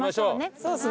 そうですね。